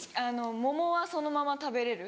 桃はそのまま食べれる。